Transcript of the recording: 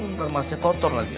nanti masih kotor lagi ah